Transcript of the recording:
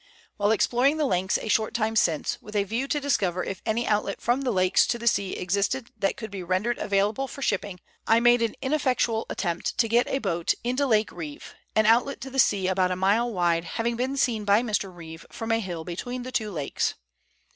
While exploring the lakes a short time since, with a view to discover if any outlet from the lakes to the sea existed that could be rendered available for shipping, I made an ineffectual attempt to get a boat into Lake Reeve, an outlet to the sea about a mile wide having been seen by Mr. Reeve from a. hill between the two lakes.